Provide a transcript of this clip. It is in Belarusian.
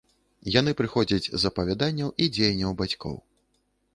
Яны прыходзяць з апавяданняў і дзеянняў бацькоў.